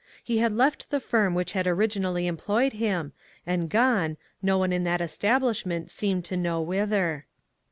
He had left the firm which had originally employed him, and gone, no one in that establishment seemed to know whither.